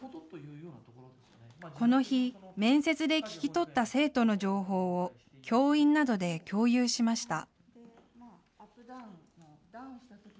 この日、面接で聞き取った生徒の情報を教員などで共有しました。